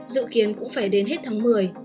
dự kiến cũng phải đến hết tháng một mươi